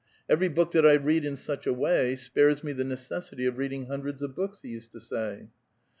livery book that I read in such a way spares me the xiecessity of reading hundreds of books," he used to say.